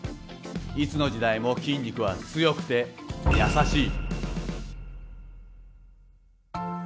いつの時代も筋肉は強くて優しい。